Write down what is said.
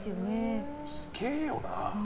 すげえよな。